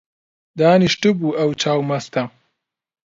دانیشتبوو ئەو چاو مەستە